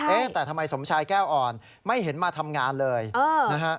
แต่ทำไมสมชายแก้วอ่อนไม่เห็นมาทำงานเลยนะฮะ